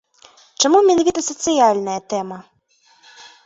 Чаму менавіта сацыяльная тэма?